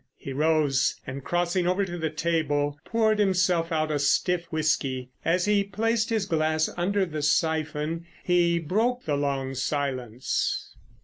He rose, and, crossing over to the table, poured himself out a stiff whisky. As he placed his glass under the syphon he broke the long silence.